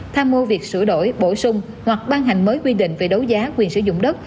tham mưu việc sửa đổi bổ sung hoặc ban hành mới quy định về đấu giá quyền sử dụng đất